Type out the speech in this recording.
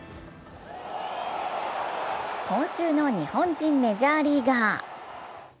今週の日本人メジャーリーガー。